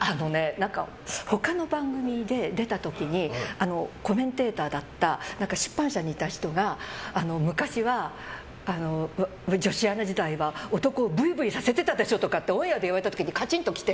他の番組で出た時にコメンテーターだった出版社にいた人が昔、女子アナ時代は男をブイブイさせてたでしょとかオンエアで言われた時にカチンと来て。